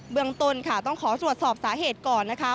เมืองต้นค่ะต้องขอตรวจสอบสาเหตุก่อนนะคะ